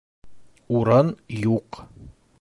Урын юҡ!